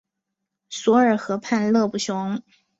索尔河畔勒布雄。